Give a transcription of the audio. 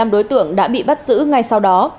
một mươi năm đối tượng đã bị bắt giữ ngay sau đó